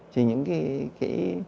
thì những cái